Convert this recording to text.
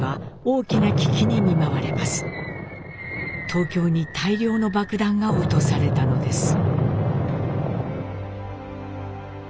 東京に大量の爆弾が落とされたのです。